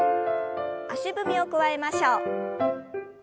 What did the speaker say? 足踏みを加えましょう。